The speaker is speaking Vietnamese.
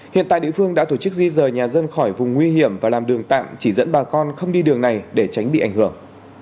hiện tại địa phương đã tổ chức di rời nhà dân khỏi vùng nguy hiểm và làm đường tạm chỉ dẫn bà con không đi đường này để tránh bị ảnh hưởng